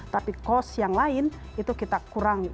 tapi cost yang lain itu kita kurangi